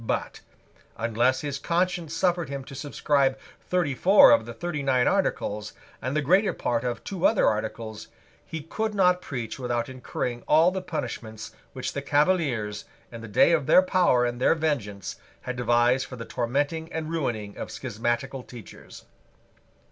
But, unless his conscience suffered him to subscribe thirty four of the thirty nine articles, and the greater part of two other articles, he could not preach without incurring all the punishments which the Cavaliers, in the day of their power and their vengeance, had devised for the tormenting and ruining of schismatical teachers.